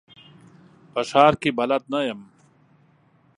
په ښار کي بلد نه یم .